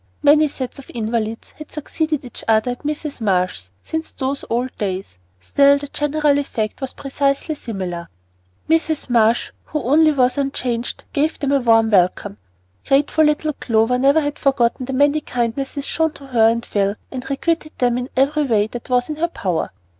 Many sets of invalids had succeeded each other at Mrs. Marsh's since those old days; still the general effect was precisely similar. Mrs. Marsh, who only was unchanged, gave them a warm welcome. Grateful little Clover never had forgotten the many kindnesses shown to her and Phil, and requited them in every way that was in her power.